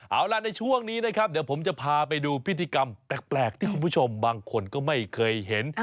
เอาล่ะในช่วงนี้นะครับเดี๋ยวผมจะพาไปดูพิธีกรรมแปลกที่คุณผู้ชมบางคนก็ไม่เคยเห็น